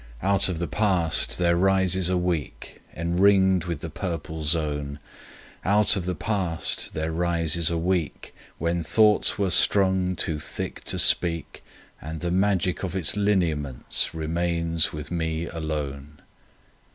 — Out of the past there rises a week Enringed with a purple zone. Out of the past there rises a week When thoughts were strung too thick to speak, And the magic of its lineaments remains with me alone.